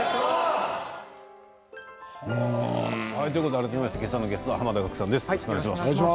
改めまして今朝のゲストは濱田岳さんです。